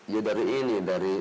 ya dari ini